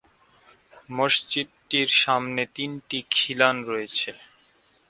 মসজিদটির সামনে তিনটি খিলান রয়েছে।